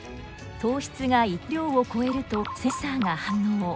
糖質が一定の量を超えるとセンサーが反応。